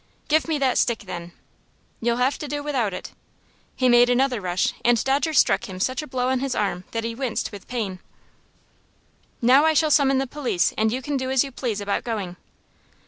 "Give me that stick, then." "You'll have to do without it." He made another rush, and Dodger struck him such a blow on his arm that he winced with pain. "Now I shall summon the police, and you can do as you please about going."